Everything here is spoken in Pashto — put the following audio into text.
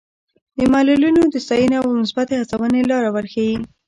د معلولینو د ستاینې او مثبتې هڅونې لاره ورښيي.